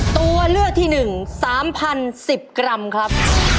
ตัวเลือกที่๑๓๐๑๐กรัมครับ